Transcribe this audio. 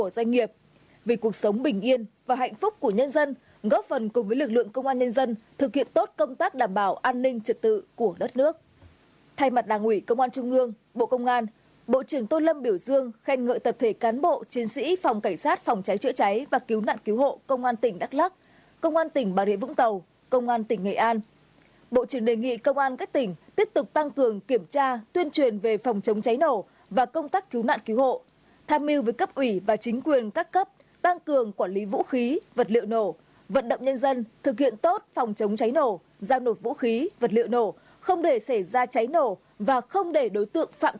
đặc biệt những cán bộ chiến sĩ phòng cảnh sát phòng cháy và cứu nạn cứu hộ công an tỉnh đắk lắc công an tỉnh bà rịa vũng tàu công an tỉnh nghệ an bộ trưởng đề nghị công an các tỉnh tiếp tục tăng cường kiểm tra tuyên truyền về phòng chống cháy nổ và công tác cứu nạn cứu hộ tham mưu với cấp ủy và chính quyền các cấp tăng cường quản lý vũ khí vật liệu nổ vận động nhân dân thực hiện tốt phòng chống cháy nổ giao nột vũ khí vật liệu nổ không để xảy ra cháy nổ và không để đối t